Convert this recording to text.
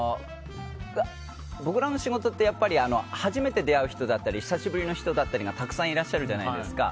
僕らの仕事って初めて出会う人だったり久しぶりの人だった人がたくさんいらっしゃるじゃないですか。